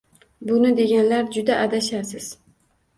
Buni deganlar juda adashasiz!